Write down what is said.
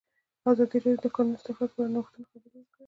ازادي راډیو د د کانونو استخراج په اړه د نوښتونو خبر ورکړی.